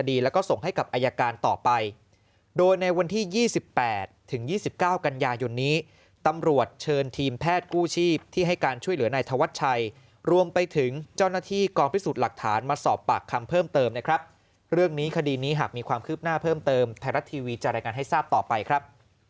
ในวันที่๒๘ถึง๒๙กันยายนนี้ตำรวจเชิญทีมแพทย์กู้ชีพที่ให้การช่วยเหลือนายธวัชชัยรวมไปถึงเจ้าหน้าที่กองพิสูจน์หลักฐานมาสอบปากคำเพิ่มเติมนะครับเรื่องนี้คดีนี้หากมีความคืบหน้าเพิ่มเติมไทยรัฐทีวีจะรายงานให้ทราบต่อไปครับ